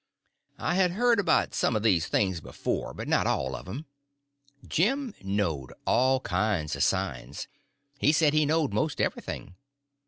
I had heard about some of these things before, but not all of them. Jim knowed all kinds of signs. He said he knowed most everything.